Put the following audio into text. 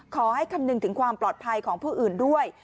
คำนึงถึงความปลอดภัยของผู้อื่นด้วย